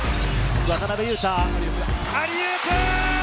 渡邊雄太、アリウープ！